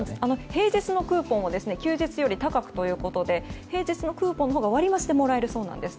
平日のクーポンを休日より高くということで平日のクーポンのほうが割増しでもらえるそうなんです。